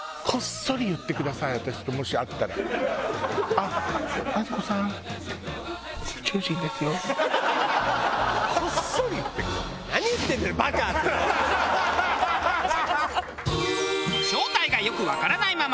こっそり言ってください。